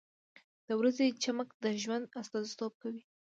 • د ورځې چمک د ژوند استازیتوب کوي.